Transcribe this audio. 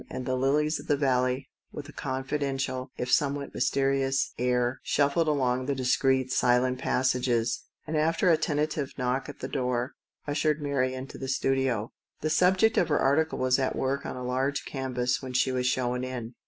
And the lilies of the valley, with a confiden tial, if somewhat mysterious air, shuffled along the discreet, silent passages, and after a tentative knock at the door, ushered Mary into the studio. The subject of her article was at work on a large canvas when she was shown in.